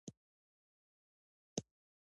پسه د افغانستان یوه طبیعي ځانګړتیا ده.